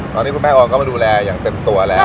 ตอนนี้คุณแม่ออนก็มาดูแลอย่างเต็มตัวแล้ว